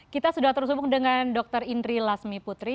kita sudah terus hubung dengan dr indri lasmi putri